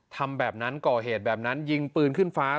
ทำแบบนั้นก่อเหตุแบบนั้นยิงปืนขึ้นฟ้า